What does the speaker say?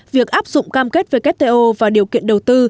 việc áp dụng cam kết wto và điều kiện đầu tư